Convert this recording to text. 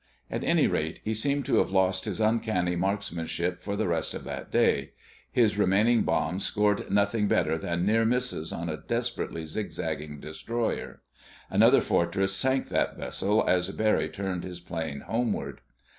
At any rate, he seemed to have lost his uncanny marksmanship for the rest of that day. His remaining bombs scored nothing better than near misses on a desperately zig zagging destroyer. Another Fortress sank that vessel as Barry turned his plane homeward.